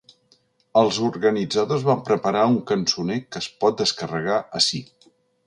Els organitzadors van preparar un cançoner que es pot descarregar ací.